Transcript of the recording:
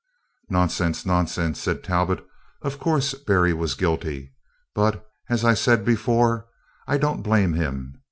"Nonsense! nonsense!" said Talbot; "of course Berry was guilty, but, as I said before, I don't blame him.